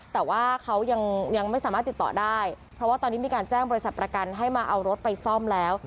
แต่ว่าเขายังไม่สามารถติดต่อได้เพราะว่าตอนนี้มีการแจ้งบริษัทประกันให้มาเอารถไปซ่อมแล้ว